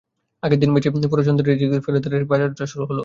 আগের তিন ম্যাচেই পুরোনো ছন্দের ঝিলিক দেখানো ফেদেরারের শুরুটা হলো বাজে।